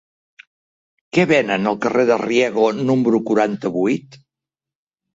Què venen al carrer de Riego número quaranta-vuit?